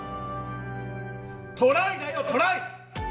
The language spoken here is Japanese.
トライだよ、トライ！